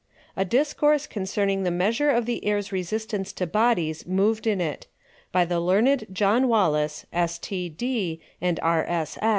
_A Discourse concerning the Measure of the Airs Resistance to Bodies moved in it. By the Learned John Wallis, S. T. D. and R.